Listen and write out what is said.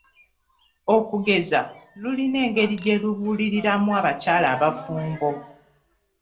Okugeza lulina engeri gye lubuuliriramu abakyala abafumbo.